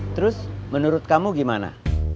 terus menurut kamu gimana